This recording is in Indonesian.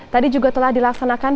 tadi juga telah dilaksanakan